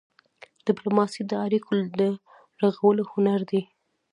ډيپلوماسي د اړیکو د رغولو هنر دی.